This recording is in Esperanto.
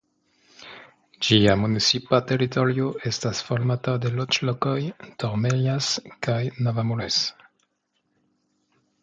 Ĝia municipa teritorio estas formata de loĝlokoj Tormellas kaj Navamures.